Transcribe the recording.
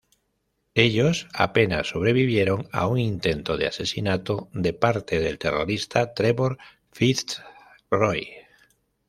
Ellos apenas sobrevivieron a un intento de asesinato de parte del terrorista Trevor Fitzroy.